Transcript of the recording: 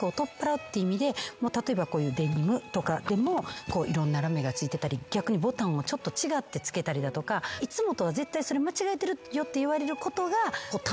例えばこういうデニムとかでもいろんなラメが付いてたり逆にボタンをちょっと違って付けたりだとか。って言われることが。